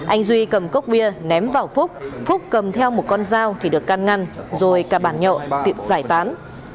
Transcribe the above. anh duy cầm cốc bia ném vào phúc phúc cầm theo một con dao thì được căn ngăn rồi cả bàn nhậu tiệm giải tán